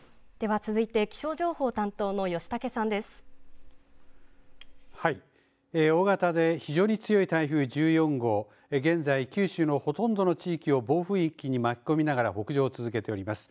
では続いて、気象情報担当の大型で非常に強い台風１４号、現在、九州のほとんどの地域を暴風域に巻き込みながら、北上を続けております。